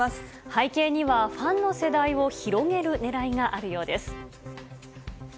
背景には、ファンの世代を広げるねらいがあるようです。